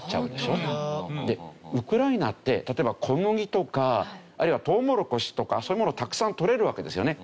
ウクライナって例えば小麦とかあるいはトウモロコシとかそういうものたくさんとれるわけですよね。